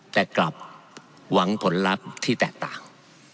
แต่กลับหวังผลลัพธ์ที่แตกต่าง